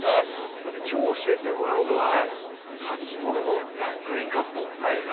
さて今日教えてもらうのは鉢物のざっくりカットですか？